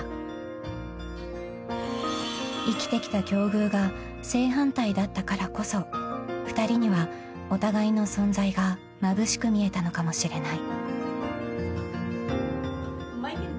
［生きてきた境遇が正反対だったからこそ２人にはお互いの存在がまぶしく見えたのかもしれない］